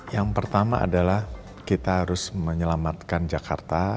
yang pertama adalah kita harus menyelamatkan jakarta